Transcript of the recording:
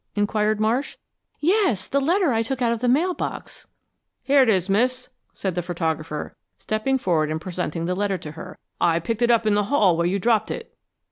inquired Marsh. "Yes, the letter I took out of the mail box." "Here it is, Miss," said the photographer, stepping forward and presenting the letter to her. "I picked it up in the hall where you dropped it."